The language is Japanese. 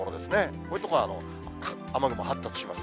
こういう所は雨雲発達します。